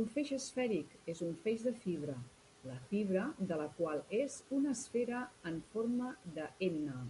Un feix esfèric és un feix de fibra, la fibra de la qual és una esfera en forma de "n".